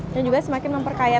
dan juga semakin memperkaya